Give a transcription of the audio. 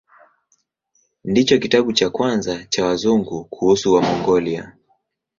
Ndicho kitabu cha kwanza cha Wazungu kuhusu Wamongolia.